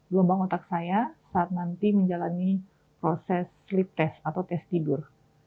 gelombang otak saya saat nanti menjalani proses slip test atau tes tidur